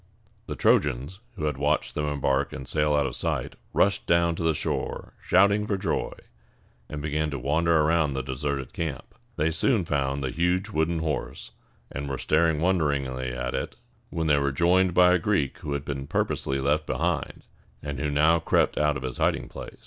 The Trojans, who had watched them embark and sail out of sight, rushed down to the shore shouting for joy, and began to wander around the deserted camp. They soon found the huge wooden horse, and were staring wonderingly at it, when they were joined by a Greek who had purposely been left behind, and who now crept out of his hiding place.